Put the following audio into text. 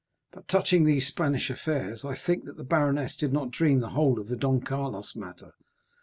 But touching these Spanish affairs, I think that the baroness did not dream the whole of the Don Carlos matter.